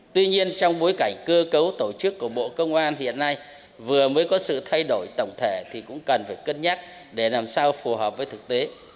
tuy nhiên trong bối cảnh cơ cấu tổ chức của bộ công an hiện nay vừa mới có sự thay đổi tổng thể thì cũng cần phải cân nhắc để làm sao phù hợp với thực tế